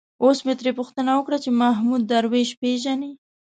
اوس مې ترې پوښتنه وکړه چې محمود درویش پېژني.